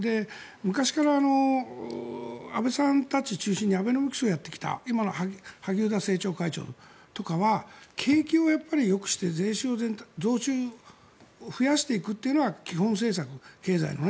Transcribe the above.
昔から安倍さんたち中心にアベノミクスをやってきた今の萩生田政調会長とかは景気をよくして税収を増やしていくというのが基本政策、経済のね。